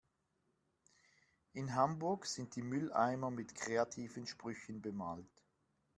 In Hamburg sind die Mülleimer mit kreativen Sprüchen bemalt.